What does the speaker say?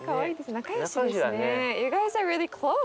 仲よしですね。